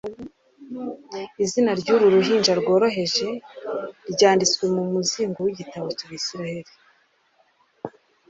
Izina ry'uru ruhinja rworoheje, ryanditswe mu muzingo w'igitabo cya Isiraheli,